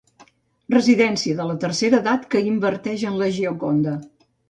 Residència de la tercera edat que inverteix en la Gioconda.